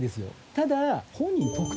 ただ。